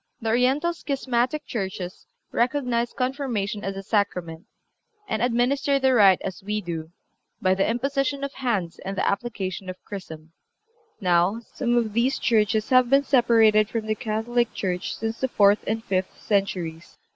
(364) The Oriental schismatic churches recognize Confirmation as a Sacrament, and administer the rite as we do, by the imposition of hands and the application of chrism. Now, some of these churches have been separated from the Catholic Church since the fourth and fifth centuries.